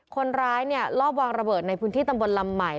คนร้ายเนี่ยรอบวางระเบิดในพื้นที่ตำบลลำใหม่